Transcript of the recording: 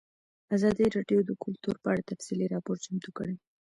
ازادي راډیو د کلتور په اړه تفصیلي راپور چمتو کړی.